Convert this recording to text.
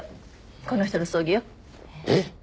この人の葬儀よ。えっ？